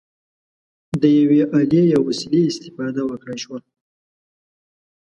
د یوې الې یا وسیلې استفاده وکړای شوه.